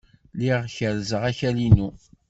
Lliɣ kerrzeɣ akal-inu.